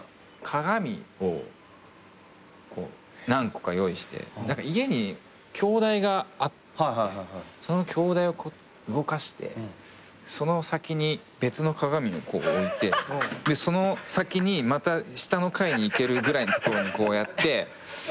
鏡を何個か用意して家に鏡台があってその鏡台を動かしてその先に別の鏡を置いてその先にまた下の階に行けるぐらいの所にこうやって。